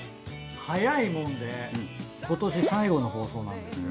早いもんで今年最後の放送なんですよ。